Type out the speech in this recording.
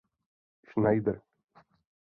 Schneider.